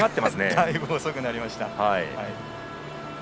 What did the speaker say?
だいぶ遅くなりました。